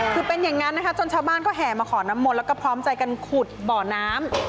คือเป็นอย่างนั้นนะคะจนชาวบ้านก็แห่มาขอน้ำมนต์แล้วก็พร้อมใจกันขุดบ่อน้ำ